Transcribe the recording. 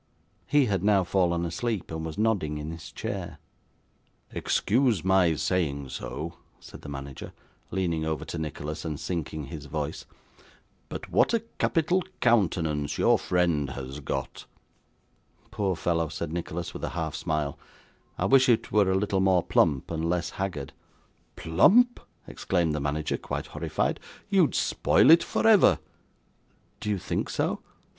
He had now fallen asleep, and was nodding in his chair. 'Excuse my saying so,' said the manager, leaning over to Nicholas, and sinking his voice, 'but what a capital countenance your friend has got!' 'Poor fellow!' said Nicholas, with a half smile, 'I wish it were a little more plump, and less haggard.' 'Plump!' exclaimed the manager, quite horrified, 'you'd spoil it for ever.' 'Do you think so?